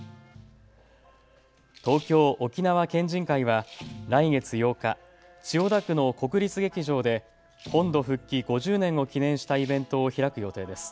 東京沖縄県人会は来月８日、千代田区の国立劇場で本土復帰５０年を記念したイベントを開く予定です。